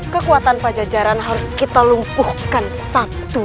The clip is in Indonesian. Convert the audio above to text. kekuatan pasejaran harus kita lumpuhkan satu demi satu